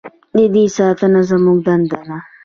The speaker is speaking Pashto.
د دې ساتنه زموږ دنده ده